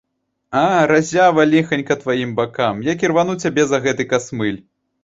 А, разява, ліханька тваім бакам, як ірвану цябе за гэты касмыль!